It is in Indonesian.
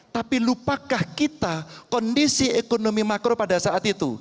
tapi lupakah kita kondisi ekonomi makro pada saat itu